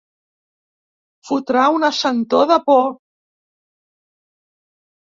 Fotrà una sentor de por.